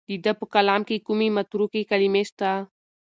د ده په کلام کې کومې متروکې کلمې شته؟